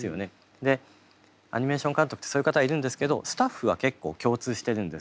でアニメーション監督ってそういう方がいるんですけどスタッフは結構共通してるんです。